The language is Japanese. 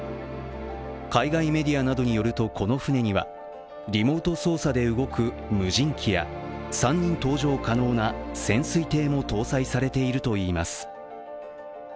海外メディアなどによると、この船にはリモート操作で動く無人機や３人搭乗可能な潜水艇も搭載されているといいます。